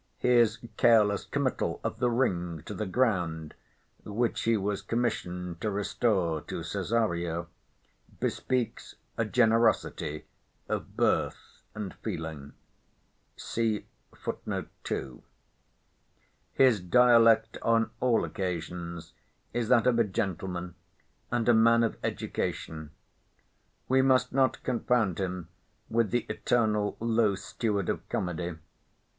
His careless committal of the ring to the ground (which he was commissioned to restore to Cesario), bespeaks a generosity of birth and feeling. His dialect on all occasions is that of a gentleman, and a man of education. We must not confound him with the eternal old, low steward of comedy.